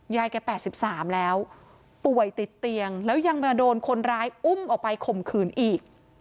ยายแก๘๓แล้วป่วยติดเตียงแล้วยังมาโดนคนร้ายอุ้มออกไปข่มขืนอีก